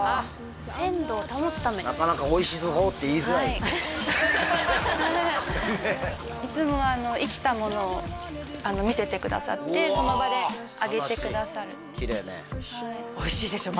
鮮度を保つためなかなかおいしそうって言いづらいいつも生きたものを見せてくださってその場で揚げてくださるきれいねおいしいでしょ？